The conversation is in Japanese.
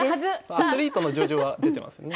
アスリートの叙情は出てますね。